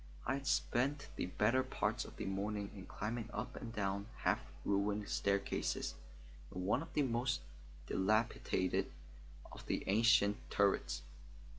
I had spent the better part of the morning in climbing up and down half ruined staircases in one of the most dilapidated of the ancient turrets.